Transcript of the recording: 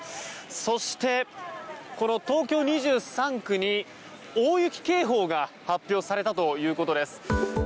そして、この東京２３区に大雪警報が発表されたということです。